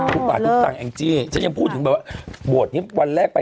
ทุกบาททุกสตางค์จี้ฉันยังพูดถึงแบบว่าโบสถ์นี้วันแรกไป